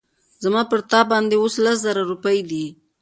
زما پر تا باندي اوس لس زره روپۍ دي